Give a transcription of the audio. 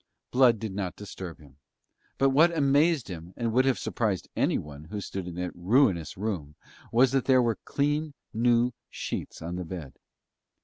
Blood did not disturb him; but what amazed him, and would have surprised anyone who stood in that ruinous room, was that there were clean new sheets on the bed.